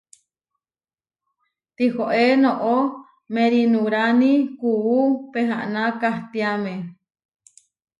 Tihoé noʼó merinurani kuú pehaná kahtiáme.